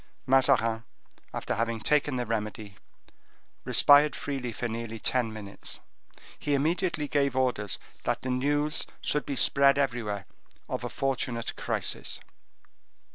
Mazarin, after having taken the remedy, respired freely for nearly ten minutes. He immediately gave orders that the news should be spread everywhere of a fortunate crisis.